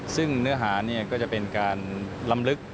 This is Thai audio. ซึ่งเนื้อหาก็จะเป็นการลำลึก